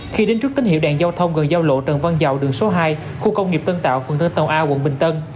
khi đến trước tín hiệu đèn giao thông gần giao lộ trần văn dầu đường số hai khu công nghiệp tân tàu phần thân tàu a quận bình tân